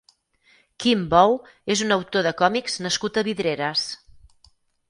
Quim Bou és un autor de còmics nascut a Vidreres.